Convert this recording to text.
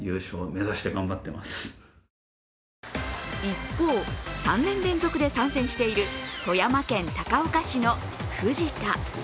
一方、３年連続で参戦している富山県高岡市のフジタ。